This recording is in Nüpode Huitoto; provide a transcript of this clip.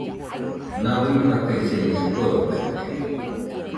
Nau fakaisenia korobaite